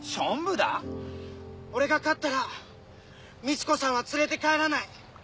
俺が勝ったらみち子さんは連れて帰らない。